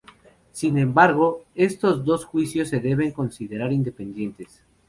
Sin embargo, estos dos juicios se deben considerar independientes.